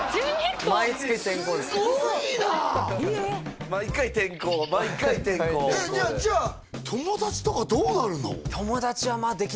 すごいな毎回転校毎回転校じゃあ友達とかどうなるの？